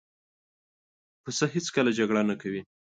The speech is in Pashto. پسه هېڅکله جګړه نه کوي.